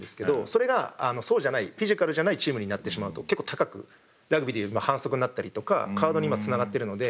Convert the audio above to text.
それがそうじゃないフィジカルじゃないチームになってしまうと結構高くラグビーで言う反則になったりとかカードにつながってるので。